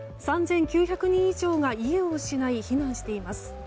３９００人以上が家を失い避難しています。